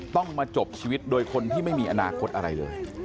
ต้องมาจบชีวิตโดยคนที่ไม่มีอนาคตอะไรเลย